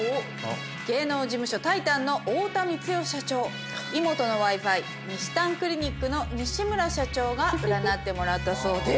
芸能事務所タイタンの太田光代社長イモトのＷｉＦｉにしたんクリニックの西村社長が占ってもらったそうです。